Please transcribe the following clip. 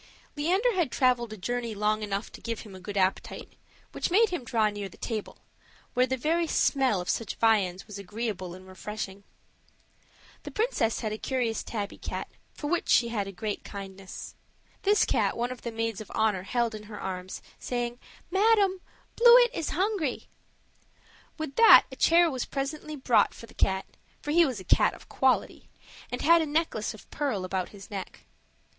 Leander had traveled a journey long enough to give him a good appetite, which made him draw near the table, where the very smell of such viands was agreeable and refreshing. The princess had a curious tabby cat, for which she had a great kindness. This cat one of the maids of honor held in her arms, saying, "Madam, Bluet is hungry!" With that a chair was presently brought for the cat; for he was a cat of quality, and had a necklace of pearl about his neck.